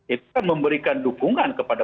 itu kan memberikan dukungan kepada